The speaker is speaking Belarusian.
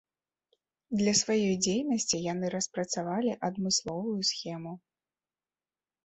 Для сваёй дзейнасці яны распрацавалі адмысловую схему.